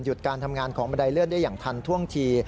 การทำงานของบันไดเลือดได้อย่างทันท่วงที